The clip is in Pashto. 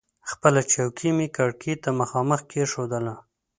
خپله چوکۍ مې کړکۍ ته مخامخ کېښودله.